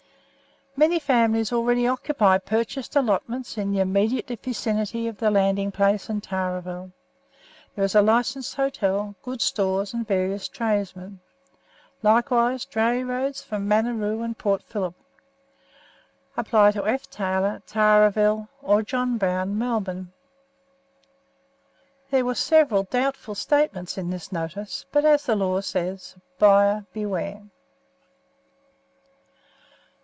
Many families already occupy purchased allotments in the immediate vicinity of the landing place and Tarra Ville. There is a licensed hotel, good stores and various tradesmen, likewise dray roads from Maneroo and Port Philip. Apply to F. Taylor, Tarra Ville, or John Brown, Melbourne. There were several doubtful statements in this notice, but, as the law says, "Buyer, beware."